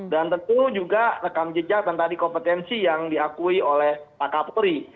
dan tentu juga rekam jejak dan kompetensi yang diakui oleh pak kapolri